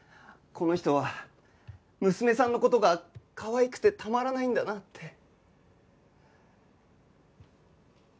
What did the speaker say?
この人は娘さんの事がかわいくてたまらないんだなって。